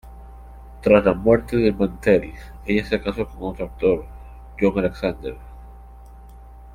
Tras la muerte de Mantell, ella se casó con otro actor, John Alexander.